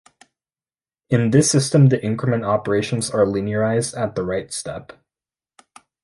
In this system the increment operations are linearized at the write step.